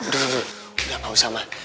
duh udah gak usah ma